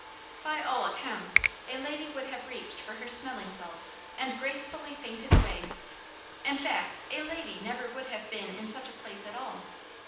By all accounts, a lady would have reached for her smelling salts and gracefully fainted away; in fact, a lady never would have been in such a place at all.